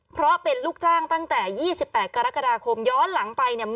เพราะเป็นลูกจ้างตั้งแต่๒๘กรกฎาคมย้อนหลังไปเนี่ย